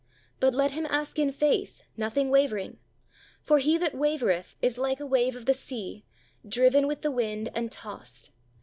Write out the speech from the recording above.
But let him ask in faith, nothing wavering. For he that wavereth is like a wave of the sea, driven with the wind and tossed.